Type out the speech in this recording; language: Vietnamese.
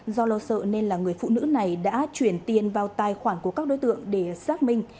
do lo sợ nên là người phụ nữ này đã chuyển tiền vào tài khoản của các đối tượng để xác minh